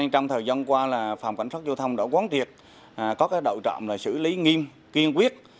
trong thời gian qua phòng cảnh sát giao thông đã quán triệt có đậu trọng xử lý nghiêm kiên quyết